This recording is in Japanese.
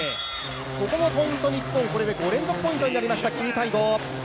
ここもポイント日本５連続ポイントになりました。